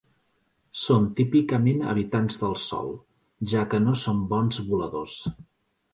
Són típicament habitants del sòl, ja que no són bons voladors.